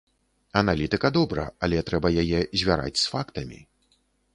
Аналітыка добра, але трэба яе звяраць з фактамі.